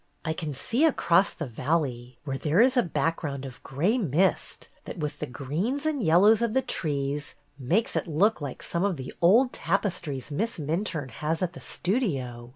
I can see across the valley, where there is a back ground of gray mist that, with the greens and yellows of the trees, makes it look like some of the old tapestries Miss Minturne has at the Studio.